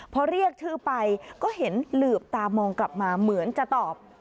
พอเรียกชื่อไปก็เห็นหลืบตามองกลับมาเหมือนจะตอบ